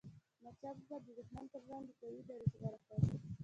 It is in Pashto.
احمد شاه بابا د دښمن پر وړاندي قوي دریځ غوره کړ.